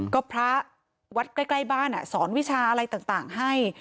ก็พระวัดใกล้บ้านสอนวิชาอะไรต่างให้